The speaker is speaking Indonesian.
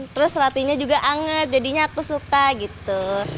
terus rotinya juga anget jadinya aku suka gitu